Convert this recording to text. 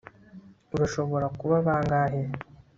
Urashobora kuba bangahe